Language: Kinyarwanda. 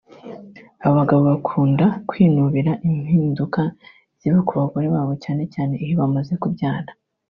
abagabo bakunda kwinubira impinduka ziba ku bagore babo cyane cyane iyo bamaze kubyara